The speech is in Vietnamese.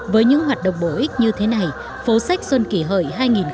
với những hoạt động bổ ích như thế này phố sách xuân kỷ hợi hai nghìn một mươi chín